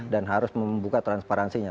dan harus membuka transparansinya